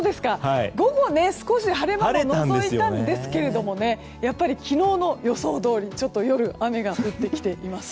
午後少し晴れ間ものぞいたんですけどやっぱり昨日の予想どおり夜、雨が降ってきています。